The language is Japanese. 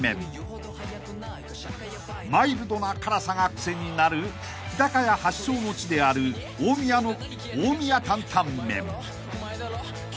［マイルドな辛さが癖になる日高屋発祥の地である大宮の］